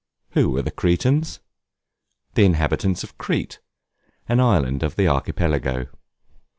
Who were the Cretans? The inhabitants of Crete, an island of the Archipelago.